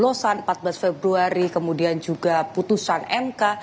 lolosan empat belas februari kemudian juga putusan mk